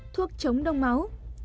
thuốc chống đông máu